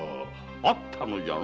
あったのじゃな？